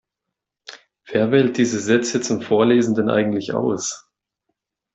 Wer wählt diese Sätze zum Vorlesen denn eigentlich aus?